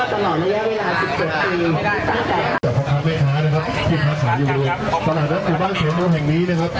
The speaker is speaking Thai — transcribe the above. ขนาดจับมาขึ้นมากแบบเดิม